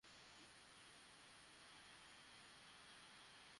কারণ Ibn Qumayya বর্ম পরিহিত ছিল আর হামলাকারিনী ছিল এক মহিলা।